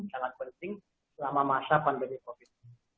sangat penting selama masa pandemi covid